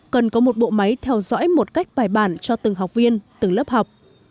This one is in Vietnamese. cần có một bộ máy theo dõi một cách bài bản cho từng học viên từng lớp học